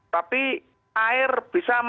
tapi air bisa menangani